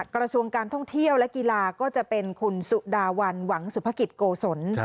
กระทรวงการท่องเที่ยวและกีฬาก็จะเป็นคุณสุดาวันหวังสุภกิจโกศล